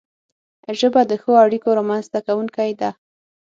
ژبه د ښو اړیکو رامنځته کونکی ده